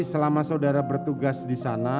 selama saudara bertugas di sana